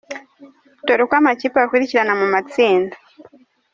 Dore uko amakipe akurikirana mu matsinda.